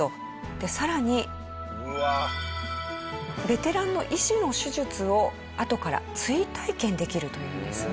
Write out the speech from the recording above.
でさらにベテランの医師の手術をあとから追体験できるというんですね。